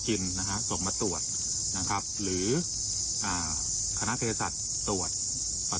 กินนะฮะส่งมาตรวจนะครับหรืออ่าฮะฆาตาเพศาสตร์ตรวจปลา